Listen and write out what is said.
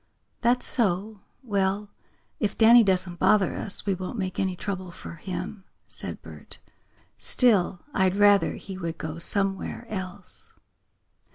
"That's so. Well, if Danny doesn't bother us we won't make any trouble for him," said Bert. "Still, I'd rather he would go somewhere else."